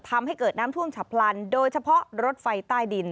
ทำให้เกิดน้ำท่วมฉับพลันโดยเฉพาะรถไฟใต้ดิน